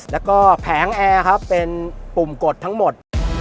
แล้วก็แผงแอร์ครับเป็นปุ่มกดทั้งหมด